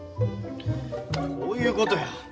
どういうことや。